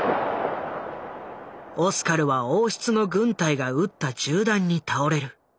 オスカルは王室の軍隊が撃った銃弾に倒れる。